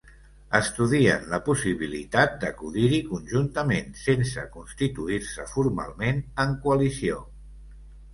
Estudien la possibilitat d’acudir-hi conjuntament, sense constituir-se formalment en coalició.